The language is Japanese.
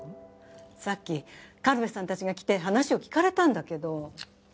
さっき軽部さんたちが来て話を聞かれたんだけど。